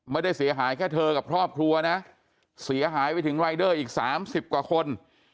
ไม่ได้เสียหายแค่เธอกับครอบครัวนะเสียหายไปถึงรายเดอร์อีก๓๐กว่าคน